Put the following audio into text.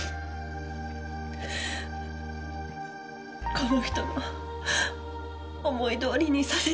この人の思いどおりにさせてあげたい。